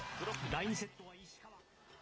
第２セットは石川。